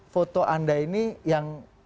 foto anda ini yang